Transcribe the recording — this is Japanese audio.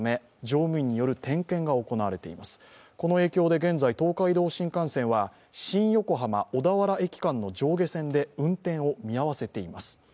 この影響で現在、東海道新幹線は新横浜−小田原駅間の上下線で運転を見合わせています。